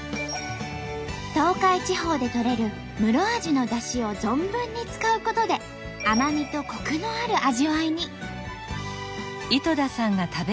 東海地方でとれるムロアジのだしを存分に使うことで甘みとコクのある味わいに。